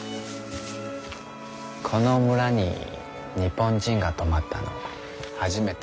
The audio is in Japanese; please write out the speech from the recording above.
この村に日本人が泊まったの初めてだそうです。